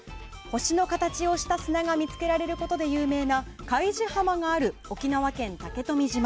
星の形をした砂が見つけられることで有名なカイジ浜がある沖縄県竹富島。